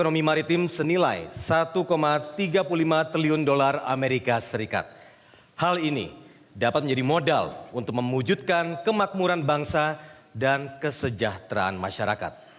menjadi modal untuk memujudkan kemakmuran bangsa dan kesejahteraan masyarakat